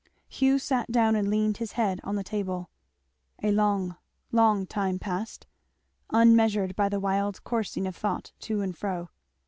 Hugh sat down and leaned his head on the table. A long, long, time passed, unmeasured by the wild coursing of thought to and fro.